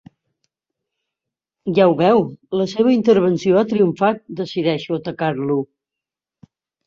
Ja ho veu, la seva intervenció ha triomfat —decideixo atacar-lo—.